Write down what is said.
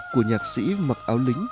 của nhạc sĩ mặc áo lính